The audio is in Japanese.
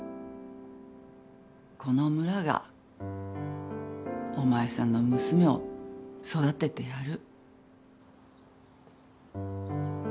この村がお前さんの娘を育ててやる。